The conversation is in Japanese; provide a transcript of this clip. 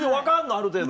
ある程度。